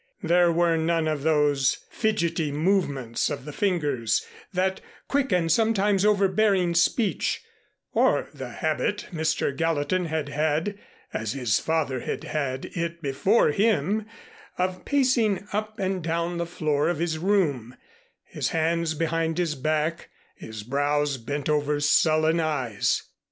There were none of those fidgety movements of the fingers, that quick and sometimes overbearing speech, or the habit Mr. Gallatin had had (as his father had had it before him) of pacing up and down the floor of his room, his hands behind his back, his brows bent over sullen eyes.